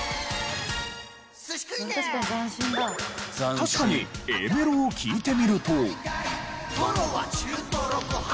確かにＡメロを聴いてみると。